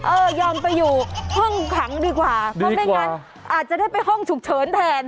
ยอมไปอยู่ห้องขังดีกว่าเพราะไม่งั้นอาจจะได้ไปห้องฉุกเฉินแทน